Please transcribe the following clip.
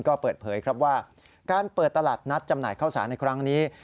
ก็เปิดเผยครับว่าการเปิดตลาดนัดจำหน่ายข้าวสารในครั้งนี้